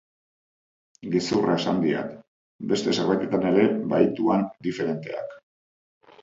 Gezurra esan diat! Beste zerbaitetan ere bahituan diferenteak.